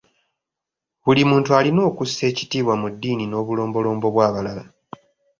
Buli muntu alina okussa ekitiibwa mu ddiini n'obulombolombo bw'abalala.